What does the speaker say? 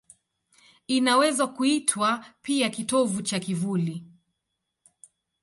Inaweza kuitwa pia kitovu cha kivuli.